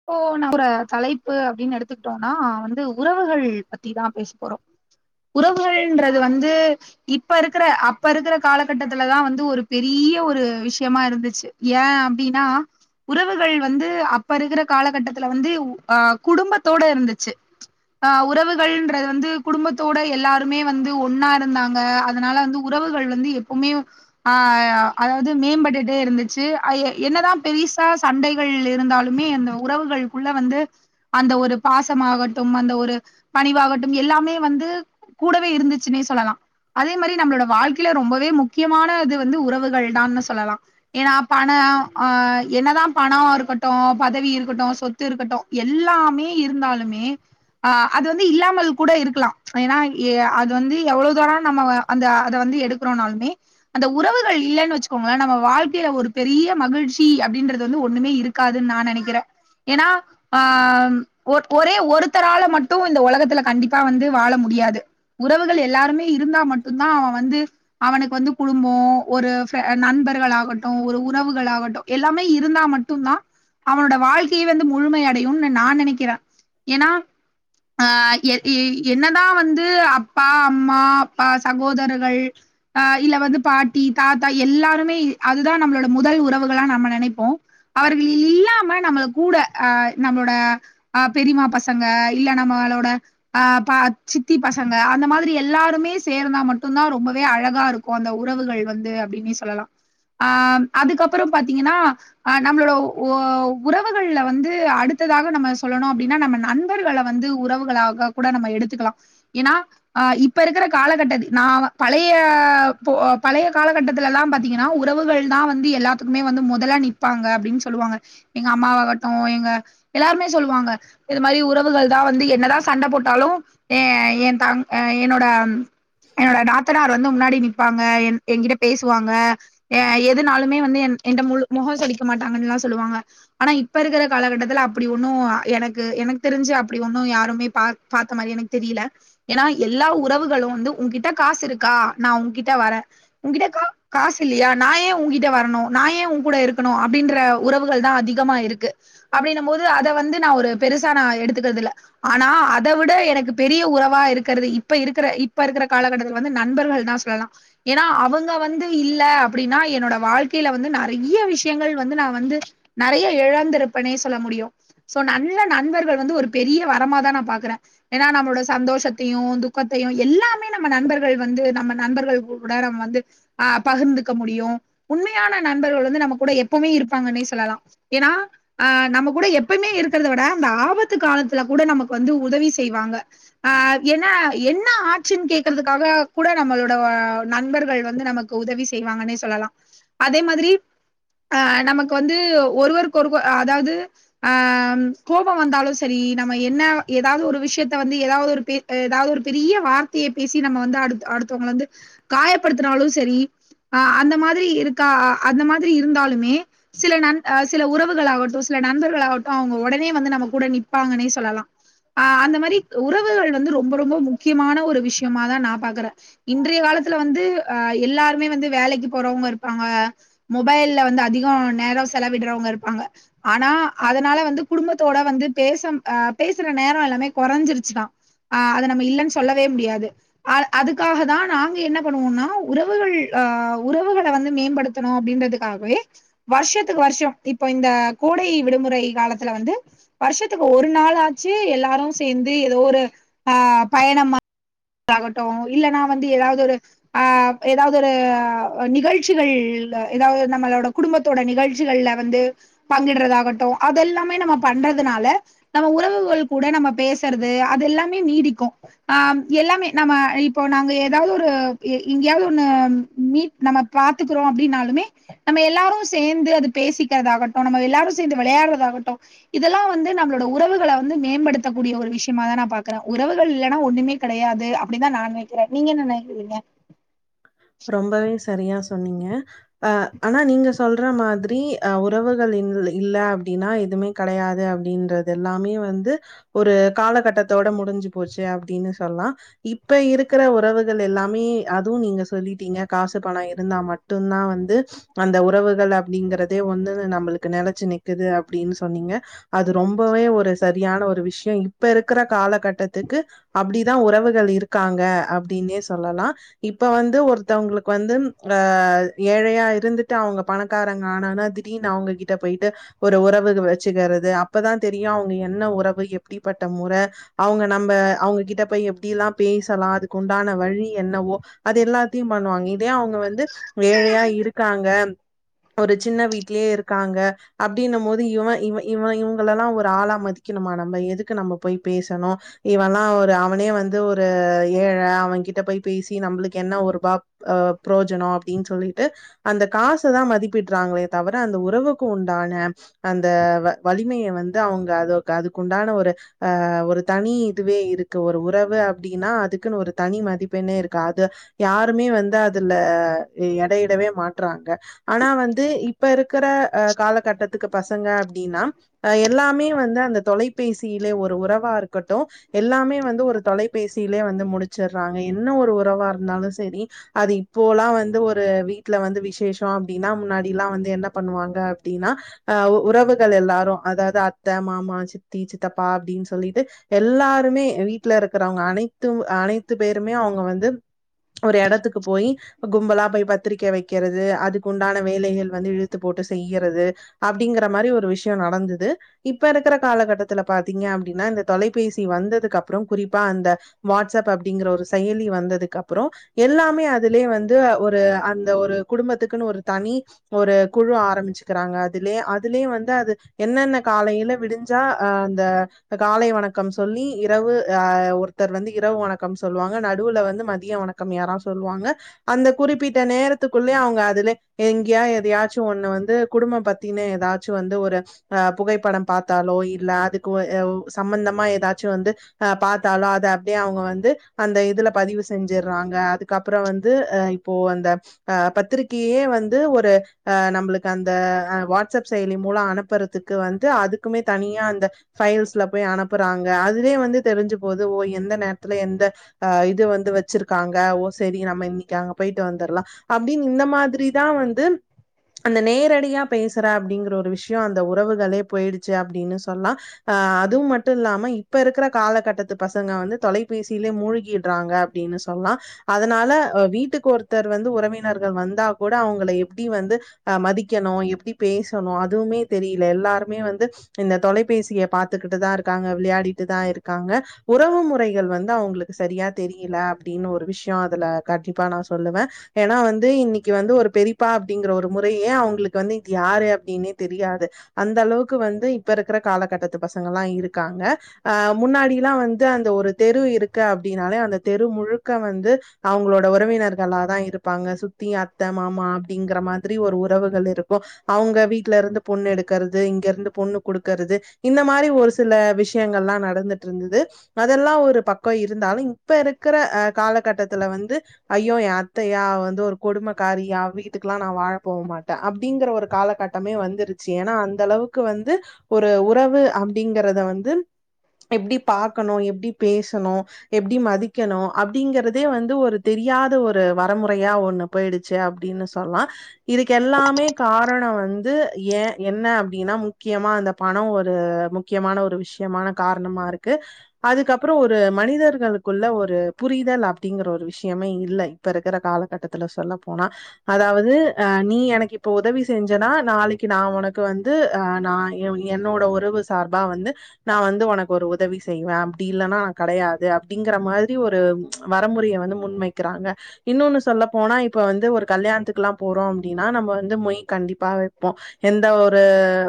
இப்போ நம்ம தலைப்பு அப்படின்னு எடுத்துக்கிட்டோம்னா வந்து உறவுகள் பத்திதா பேச போறோம் உறவுகள்ன்றது வந்து இப்ப இருக்குற அப்ப இருக்கிற காலகட்டத்துலதா வந்து ஒரு பெரிய பெரிய ஒரு விஷயமா இருந்துச்சு ஏ அப்படின்னா உறவுகள் வந்து அப்ப இருக்குற காலகட்டத்துல வந்து குடும்பத்தோட இருந்துச்சு ஆ உறவுகள்ன்றது வந்து குடும்பத்தோட எல்லாருமே வந்து ஒன்னா இருந்தாங்க அதுனால வந்து உற உறவுகள் வந்து எப்பவுமே அதாவது மேம்பட்டுட்டே இருந்துச்சு என்னதா பெரிய பெருசா சண்டைகள் இருந்தாலுமே அந்த உறவுகளுக்குள்ள வந்து அந்த ஒரு பாசமாகட்டும் அந்த ஒரு பணிவாகட்டும் எல்லாமே வந்து கூடவே இருந்துச்சுன்னே சொல்லலாம் அதே மாரி நம்மளோட வாழ்க்கையில ரொம்பவே முக்கியமான அது வந்து உறவுகள் தான்னு சொல்லலாம் ஏன்னா பண நா ஆ என்னதா பணம் இருக்கட்டும் பதவி இரு க்கட்டும் சொத்து இருக்கட்டும் எல்லாமே இருந்தாலுமே அ அது வந்து இல்லாமல் கூட இருக்கலாம் ஏன்னா அது வந்து எவ்வளோ தூர நம்ம அந்த அத வந்து. எடுக்கிறோம்னாலுமே அந்த உறவுகள் இல்லன் வச்சுக்கோங்க நம்ம வாழ்க்கையில ஒரு பெரிய மகிழ்ச்சி அப்டின் றது வந்து ஒண்ணுமே இருக்காதுன் நா நெனைக்கிறேன் ஏன்னா அ ஒரே ஒருத்தரால மட்டும் இந்த உலகத்துல கண்டிப்பா வந்து வாழ முடியாது உறவுகள் எல்லாருமே இருந்தா மட்டுந்தா அவன் வந்து அவனுக்கு வந்து குடும்பம் ஒரு நண் நண்பர்களாகட்டு ஒரு உறவுகளாகட்டு எல்லாமே இருந்தா மட்டும் தான் அவனோட வாழ் கேயே வந்து முழுமைஅடையும்னு நா நெனைக்கிறேன் ஏனா அஹ் எ என்னதான் வந்து அப்பா அம்மா அப்பா சகோதரர்கள் அஹ் இல்ல வந்து பாட்டி தாத்தா எல்லாருமே அதுதா நம்மளோட முதல் உறவுகளா நம்ம நெனைப்போ அவர்கள் இல்லாம நம்ளுக் கூட அஹ் நம்மளோட அஹ் பெரிமா பசங்க இல்ல நம்மளோட அஹ் பா சித்தி பசங்க அந்த மாதிரி எல்லாருமே சேர்ந்தா மட்டும் தான் ரொம்பவே அழகா இருக்கும் அந்த உறவுகள் வந்து அப்டி யுமே சொல்லலா அஹ் அதுக்கப்பறோ பாத்தீங்கன்னா நம்மளோட வோ உறவுகள்ள வந்து அடுத்ததாக நம்ம சொல்லணு அப்படின்னா நம்ம நண்பர்கள வந்து உறவுகளாக கூட நம்ம எடுத்துகளா ஏனா இப்ப இருக்குற காலகட்டத் நா பழைய போ பழைய காலகட்ட துலல்லா பாத்தீங்கன்னா உறவுகள் தா வந்து எல்லாத்துக்குமே வந்து மொதல்ல நிப்பாங்க அப்டின்னு சொல்லுவாங்க எங்க அம்மாவாகட்டு எங்க எல்லாருமே சொல்லுவாங்க இது மாதிரி உறவுகள் தா வந்து என்னதா சண்ட போட்டாலு யே என் தங் என்னோட என்னோட நாத்தனார் வந்து முன்னாடி நிப்பாங்க என்கிட்ட பேசுவாங்க எதனாலுமே வந்து என்ட்ட முகோ சுலி க்க மாட்டாங்க எல்லா சொல்லுவாங்க ஆனா இப்ப இருக்குற காலகட்டத்துல அப்டி ஒண்ணு எனக்கு எனக்கு தெரிஞ்சு அப்டி ஒண்ணு யாருமே பாத்த மாரி எனக் தெரியல ஏனா எல்லா உறவுகளு வந்து உங்கிட்ட காசு இருக்கா நா உங்கிட்ட வர உங்கிட் ன்டகா காசு இல்லையா நாயே உங்கிட்ட வரணு நாயே உங்க கூட இருக்கணு அப்படின்ற உறவுகள் தா அதி கமா இருக்கு அப்டினும் போது அத வந்து நா ஒரு பெருசா எடுத்துக்குறது இல்ல ஆனா அத விட எ க்கு பெரிய உறவா இருக்குறது இப்ப இருக்குற இப்ப இருக்குற காலகட்டத்துல வந்து நண்பர்கள் தா சொல்லலா ஏனா அவ அவங்க வந்து இல்ல அப்டின்னா என்னோட வாழ்க்கையில வந்து நெறைய விஷயங்கள் வந்து நா வந்து நெறைய இழந்திருப்பனே சொல்ல முடியு சோ நல்ல நண்பர்கள் வந்து ஒரு பெரிய வரமாதா நா பாக்குற ஏனா நம்மளோட சந்தோஷத்தையு துக்கத்தையு எல்லாமே நம்ம நண்பர்கள் வந்து நம்ம நண்பர்கள் கூட வந்து அஹ் பகிர்ந்துக்க முடியு உண்மையான நண்பர்கள் வந்து நம்ம கூட எப்பவுமே இருப்பாங்கன்னே சொல்லலா ஏனா அஹ் நம்ம கூட எப்பமே இருக்கறத விட அந்த ஆபத்து காலத்துல கூட நமக்கு வந்து உதவி செய் வாங்க ஆ என் என்ன ஆட்சுன்னு கேக்கறதுக்காக கூட நம்மளோட நண்பர் உறவுகள் வந்து நமக்கு உதவி செய்வாங்கன்னே சொல்லலா அதே மாதிரி ஆஹ் நமக்கு வந்து ஒருவருக்கு ஒரு அதாது அஹ் கோபம் வந்தாலு செரி நம்ம என்ன எதாவது ஒரு விஷ யத்த வந்து எதாவது ஒரு எதாவது ஒரு பெரிய வார்த்தையை பேசி நம்ம வந்து அடுத்தவங்கள வந்து காயப்படுத் னாலு செரி அந்த மாதிரி இருக்கா அந்த மாதிரி இருந்தாலுமே சில நண் அஹ் சில உறவுகளாகட்டு சில நண்பர்களாகட்டு அவங்க உடனே வந்து நம்ம கூட நிப்பாங்கன்னே சொல்லலா ஆஹ் அந்த மாரி உறவுகள் வந்து ரொம்ப ரொம்ப முக்கியமான ஒரு விஷயமா தா நா பாக்குற இன்றைய கால காலத்துல வந்து எல்லாருமே வந்து வேலைக்கு போறவங்க இருப்பாங்க மொபைல்ல வந்து அதிக நேரோ செலவிடுறவங்க இருப்பாங்க ஆனா அதனால வந்து குடும்பத்தோட வந்து பேசம் பேசுற நேரோ எல்லா மே கொறஞ்சிருச்சா ஆஹ் அத நம்ம இல்லன்னு சொல்லவே முடியாது அஹ் அதுக்காக தா நாங்க என்ன பண்ணுவோம்னா உறவுகள் உறவுகள வந்து மேம்படுத்தணு அப்டின்றதுக்காகவே வருஷத் துக்கு வருஷம் இப்ப இந்த கோடை விடுமுறை காலத்துல வந்து வருஷத்துக்கு ஒரு நாள் ஆச்சு எல்லா எல்லாரு சேந்து ஏதோ ஒரு ஆஹ் பயணமா யாகட்டு இல்லன்னா வந்து எதாவது ஒரு ஆஹ் எதாவது ஒரு நிகழ்ச்சிகள் எதாவது நம்மளோட குடும்பத்தோட நிகழ் கள்ள வந்து பங்கிடுறதாகட்டு அதெல்லாமே நம்ம பண்றதுனால நம்ம உறவுகள் கூட நம் நம்ம பேசுறது அது எல்லாமே நீடிக்கு அஹ் எல்லாமே நம்ம இப்போ நாங்க எதாவது ஒரு எங்கேயாவது ஒண்ணு மீட் நம்ம பாத்துக்குறோ அப்படின்னாலுமே நம்ம எல்லாரு சேந்து அது பேசிக்கிறதாகட்டு நம்ம எல்லாரு சேந்து விளையாடுறதாகட்டு இதெல்லா வந்து நம்மளோட உறவுகள வந்து மேம்படுத்த கூடிய ஒரு விஷயமா தா நா பாக்குற உறவுகள் இல்லன்னா ஒண்ணுமே கெடையாது அப்படிதா நா நெனைக்கிற நீங்க என்ன நெனைக்கிறீங்க ரொம்பவே சரியா சொன்னீங்க ஆனா நீங்க சொல்ற மாதிரி அஹ் உறவுகள் இல்ல அப் டினா எதுவுமே கெடையாது அப்டின்றது எல்லாமே வந்து ஒரு காலகட்டத்தோட முடிஞ்சு போச்சு அப்டின்னு சொல்லா இப்ப இருக்குற உறவுகள் எல்லாமே அதுவு நீங்க சொ சொல்லிட்டீங்க காசு பணோ இருந்தா மட்டு தா வந்து அந்த உறவுகள் அப்படிங்கறதே வந்து நம்மளு க் நெலச்சு நிக்குது அப்டின்னு சொன்னீங்க அது ரொம்பவே ஒரு சரியான ஒரு விஷய இப்ப இருக்குற காலகட்டத்துக்கு அப்டிதா உறவுகள் இருக்காங்க அப்படின்னே சொல்லலா இப்ப வந்து ஒருத்தவங்களுக்கு வந்து ஆ ஏழையா இருந்துட்டு அவங்க பணக்காரங்க ஆன திடீர்னு அவங்க கிட்ட போயிட்டு ஒரு உறவு வச்சுக்கிறது அப்பதா தெரியு அவங்க என்ன உறவு எப்டிப்பட்ட முற அவங்க நம்ம அவங்ககிட்ட போய் எப்டி எல்லா பேசலா அதுக்கு உண்டான வழி என்னவோ அது எல்லா த்தியம் பண்ணுவாங்க இதே அவங்க வந்து ஏழையா இருக்காங்க ஒரு சின்ன வீட்லே இருக்காங்க அப்டின்னுமோது இவ இவ இவ இவங்களெல்லா ஒரு ஆளா மத் திக்கணுமா நம்ம எதுக்கு நம்ம போய் பேசணு இவல்லா ஒரு அவனே வந்து ஒரு ஏழ அவ அவங்கிட்ட போய் பேசி நம்புளுக்கு என்ன ஒரு ப ஆ புரோஜன அப்டின் சொல்லிட்டு அந்த காச தா மதிப்பிட்றாங்களே தவர அந்த உறவுக் உண்டான அந்த வலிமைய வந்து அவங்க அத அதுக்குண்டான ஒரு ஆ ஒரு தனி இதுவே இருக்கு ஒரு உறவு அப்டின்னா அதுக்குன்னு ஒரு தனி மதிப்பெண்ணே இருக்கு அத யாருமே வந்து அதுல எடையிடவே மாட் ட்ராங்க ஆனா வந்து இப்ப இருக்குற அ காலகட்டத்துக்கு பசங்க அப்டின்னா அ எல்லாமே வந்து அந்த தொலைபேசியிலே ஒரு உறவா இருக்கட்டு எல்லாமே வந்து ஒரு தொலைபேசி லே வந்து முடிச்சிடுறாங்க என்ன ஒரு உறவா இருந்தாலு சரி செரி அது இப்போல்லா வந்து ஒரு வீட்ல வந்து விசேஷ அப்டின்னா முன்னாடிலா வந்து என்ன பண்ணுவாங்க அப்டின்னா அ உறவுகள் எல்லாரு அதாது அத்த மாமா சித்தி சித்தப்பா அப்டின்னு சொல்லிட்டு எல்லாருமே வீட்ல இருக்கிறவங்க அனைத்து அனைத்து பேருமே அவங்க வந்து ஒரு எடத்துக்கு போயி கும்பலா போய் பத்திரிக்க வெக்கிறது அதுக்குண்டான வேலைகள் வந்து இழுத்து போட் செய்யறது அப்டிங்கிற மாரி ஒரு விஷய நடந்துது இப்ப இருக்கிற காலகட்டத்துல பார்த்தீங்க அப் னா இந்த தொலைபேசி வந்ததுக்கு அப்றோ குறிப்பா அந்த வாட்ஸ்அப் அப்படிங்கிற ஒரு செயலி வந்ததுக்கப் அப்றோ எல்லாமே அதுலே வந்து ஒரு அந்த ஒரு குடும்பத்துக்குன்னு ஒரு தனி ஒரு குழு ழு ஆரம்பிச்சுக்கிறாங்க அதுலே அதுலே வந்து அது என்னென்ன காலையில விடிஞ்சா அ அந்த காலை வணக்கம் சொல்லி இரவு அ ஒருத்தர் வந்து இரவு வணக்கம் சொல்லுவாங்க நடுவுல வந்து ம திய வணக்கம் யாரா சொல்வாங்க அந்த குறிப்பிட்ட நேரத்துக்குள்ளே அவங்க அதுல எங்யா எதையாச்சு ஒண்ணு வந்து குடும்ப பத்தின எதாச்சு வந்து ஒரு புகைப்படம் பார்த்தாலோ இல்ல அதுக்கு ஓ ஒ சம்மந்தமா எதாச்சு வந்து அ பாத்தாலோ அத அப்டியே அவங்க வந்து அந்த இதுல பதிவு செ செஞ்சறாங்க அதுக்கப்புற வந்து அ இப்போ அந்த அ பத்திரிக்கியே வந்து ஒரு அ நம்புளுக்கு அந்த ஆ வாட்ஸ்அப் செயலி மூல அனுப்புறதுக்கு வந்து அதுக்குமே தனியா அந்த ஃபை ஸ்ல போய் அனுப்பறாங்க அதுலே வந்து தெரிஞ்சு போது ஓ எந்த நேர்த்துல எந்த அ இது வந்து வச் வச்சிருக்காங்க ஓ சரி நம்ம இன்னிக்கி அங்க போயிட்டு வந்துரலா அப்டின்னு இந்த மாதிரிதா வந்து அந்த நேரடியா பேசுற அப்டிங்கிற ஒரு விஷய அந்த உறவுகளே போயிடுச்சு அப்டின்னு சொல்லா அதுவு மட்டு இல்லாம இப்ப இருக்கிற காலக்கட்டத்து பசங்க வந்து தொலைபேசிலே மூழ்கிட்றாங்க டினு சொல்லா அதனால வீட்டுக்கு ஒருத்தர் வந்து உறவினர்கள் வந்தா கூட அவங்கள எப்டி வந்து மதிக்கணு எப்டி பேசணு அதுவுமே தெரில எல்லாருமே வந்து இந்த தொலைபேசியப் பாத்துக்கிட்டு தா இருக்காங்க விளையாடிட்டு தா இருக்காங்க உறவு முறைகள் வந்து அவுங்ளுக்கு சரியா தெரி இல்ல அப்டின்னு ஒரு விஷ்ய அதுல கண்டிப்பா நா சொல்லுவ ஏன்னா வந்து இன்னிக்கு வந்து ஒரு பெரிப்பா அப்டிங் ஒரு முறையே அவுங்களுக்கு வந்து இது யாரு அப்டின்னே தெரியாது அந்த அளவுக்கு வந்து இப்பருக்குற காலகட் த்து பசங்கலா இருக்காங்க ஆ முன்னாடிலா வந்து அந்த ஒரு தெரு இருக்கு அப்டினாலே அந்த தெரு முழுக்க வந்து அவங்களோட உறவினர்களா தா இருப்பாங்க சுத்தி அத்த மாமா அப்டிங்கற மாதிரி ஒரு உறவுகள் இருக் கு அவங்க வீட்லருந்து பொண்ணு எடுக்கறது இங்கருந்து பொண்ணு குடுக்கறது இந்த மாரி ஒரு சில விஷ விஷயங்கள்லா நடந்துட்டுருந்துது அதெல்லா ஒரு பக்க இருந்தாலு இங் இப்ப இருக்குற அ காலகட்டத்துல வந்து ஐயோ எ அத்தையா அவந்து ஒரு கொடுமக்காரி அவ்வீட்டுக்கு க்லா நா வாழப் போ மாட்ட அப்டிங்கற ஒரு காலகட்டமே வந்துருச்சு ஏன்னா அந்தளவுக்கு வந்து ஒரு உறவு அப்டிங்கறத வந்து எப்டி பாக்கணு எப்டி பேசணு எப் ப்டி மதிக்கணு அப்டிங்கறதே வந்து ஒரு தெரியாத ஒரு வரமுறையா ஒண்ணு போய்டுச்சே அப்டின்னு சொல்லா இதுக்கு எல்லாமே காரணொ வந்து ஏ என்ன அப்டினா முக்கியமா அந்த ப ணொ ஒரு முக்கியமான ஒரு விஷ்யமான காரணமா இருக்கு அதுகப்றோ ஒரு மனிதர்களுக் குள்ள ஒரு புரிதல் அப்டிங்கற ஒரு விஷ்யமே இல்ல இப்ப இருக்கற காலகட்டத்துல சொல்ல போனா அத அதாவ்து ஆ நீ எனக்கிப்ப உதவி செஞ்சனா நாளைக்கு நா உனக்கு வந்து நா எ என் ண்ணோட உறவு சார்பா வந்து நா வந்து உனக்கொரு உதவி செய்வ அப்டி இல்லனா நா கடையாது அப் அப்டிங்கற மாதிரி ஒரு வரமுறைய வந்து முன்மைக்கறாங்க இன்னொன்னு சொல்ல போனா இப்ப வந்து ஒரு கல்யாண்துக்குல்லா போறோ அப்டினா நம்ப வந்து மொய் கண்டிப்பா வெப்போ எந்த ஒரு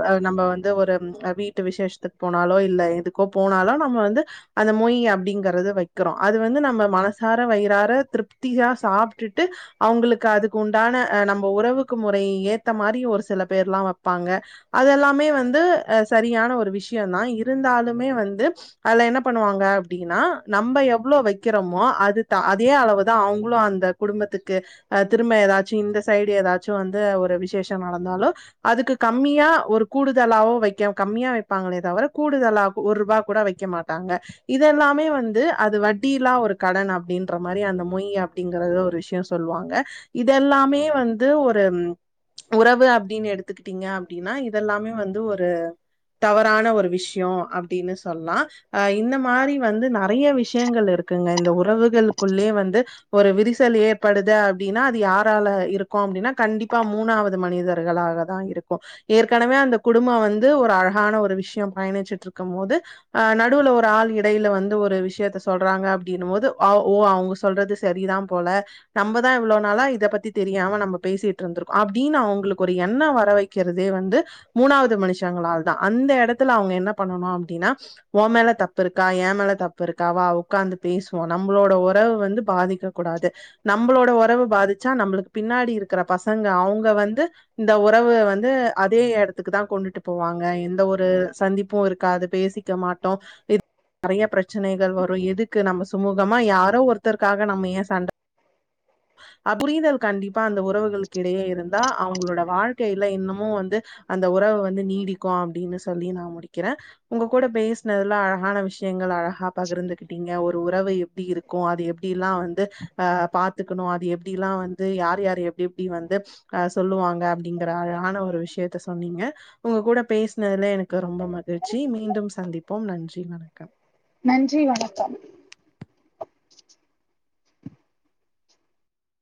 அ நம்ப வந்து ஒரு வீட்டு விசேஷ்த் த்துக் போனாலோ இல்ல எதுக்கோ போனாலோ நம்ம வந்து அந்த மொய் அப்டிங்கற வெக்கறோ அது வந்து நம்ம மனசார வய்றாற திருப்தியா சாப்டுட்டு அவுங்குளுக்கு அதுக்குண் டான நம்ப உறவுக்கு முறை ஏத்த மாரி ஒரு சில பேர்லா வெப்பாங்க அதெல்லாமே வந்து அ சரியான ஒரு விஷ்யோந்தா இருந்தாலுமே வந்து அத்ல என்ன பண்ணுவாங்க அப்டினா நம்ப எவ்ளோ வெக்கறம்மோ அதுதா அதே அளவுதா அவுங்களு அந்த குடும்பத்துக்கு அ திரும்ப ஏதாச்சும் இந்த சைடு ஏதாச்சும் வந்து ஒரு விசேஷோ நடந்தாலும் அதுக்கு கம்மியா ஒரு கூடுதலா வோ வெக்க கம்மியா வெப்பாங்களே தவிர கூடுதலா ஒர்ரூபாக் கூட வெக்க மாட்டாங்க இது எல்லாமே ந்து அது வட்டியிலா ஒரு கடன் அப்டின்ற மாரி அந்த மொய் அப்டிங்கறது ஒரு விஷ்யோ சொல்லுவாங்க இத எல்லாமே வந்து ஒரு உறவு அப்டின் எடுத்துக்கிட்டீங்க அப்டினா இதெல்லாமே வந்து ஒரு தவறான ஒரு விஷ்யோ அப்டினு சொல்லா ஆ இந்த மாரி வந்து நா நெறைய விஷயங்கள் இருக்குங்க இந்த உறவுகளுக்குள்ளயே வந்து ஒரு விரிசல் ஏற்படுது அப்டின்னா அது யா யாரால இருக்கு அப்டினா கண்டிப் ப்பா மூணாவது மனிதர்களாகதா இருக்கு ஏற்கனவே அந்த குடும்போ வந்து ஒரு அழகான ஒரு விஷ்யோ பயணிச்சிட்ருக்கும் போது அ நடுல ஒரு ஆள் இடையில வந் ஒரு விஷ்யத்த சொல்றாங்க அப்டினும் போது அவ் ஓ அவுங்க சொல்றது சரிதா போல நம்பதா இவ்ளோ நாளா இத பத்தி தெரியாம நம்ம பேசிட்டுருந்திருக்கோம் அப் உங்குளுக்கு ஒரு எண்ணொ வர வெக்கறதே வந்து மூணாவது மனுஷங்களாலதா அந்த எடத்துல அவுங்க என்ன பண்ணணு அப்டினா ஓ மேல தப்பு இருக்கா ஏ மேல தப்பு இருக்கா வா உக்காந்து பேசுவோ நம்பளோட ஒறவு வந்து பாதிக்கக் கூடாது நம்பளோட ஒறவு பாதி ச்சா நம்புளுக்கு பின்னாடி இருக்குற பசங்க அவுங்க இந்த ஒறவு வந்து அதே எடத்துக்குதா கொண்டுட்டு போவாங்க எந்த ஒரு சந்திப்பு இருக்காது பேசிக்க மாட்டோ இது நெறைய ப்ரச் னைகள் வரு எதுக்கு நம்ம சுமூகமா யாரோ ஒருத்தருக்காக நம்ம ஏன் சண்ட அ புரிதல் கண்டிப்பா அந்த உறவுகளுக்கிடையே இருந் ந்தா அவுங்ளோட வாழ்க்கைல இன்னுமு வந்து அந்த உறவு வந்து நீடிக்கு அப்டினு சொல்லி நா முடிக்கறே உங்க கூட பேஸ்னதுல அழகான விஷயங்கள் அழகா பகிர்ந்துக்கிட்டீங்க ஒரு உறவு எப்டி இருக்கு அது எப்டில்லா வந்து ஆ பாத்துக்கணு அது எப்டில்லா வந்து யார் யார் எப் எப்டி வந்து அ சொல்லுவாங்க அப்டிங்கற அழான ஒரு விஷ்யத்த சொன்னீங்க உங்க கூட பேஸ்ன துல எனக்கு ரொம்ப மகிழ்ச்சி மீண்டும் சந்திப்போம் நன்றி வணக்கம் நன்றி வணக்கம்